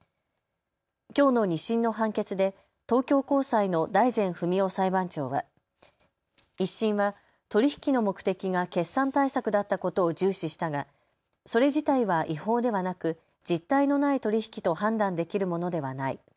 きょうの２審の判決で東京高裁の大善文男裁判長は、１審は取り引きの目的が決算対策だったことを重視したがそれ自体は違法ではなく実態のない取り引きと判断できるものではない。